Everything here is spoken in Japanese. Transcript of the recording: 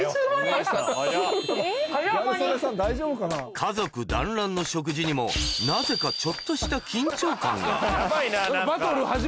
家族だんらんの食事にもなぜかちょっとした何で？